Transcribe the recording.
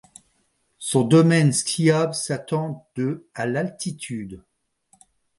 Son domaine skiable s'étend de à d'altitude.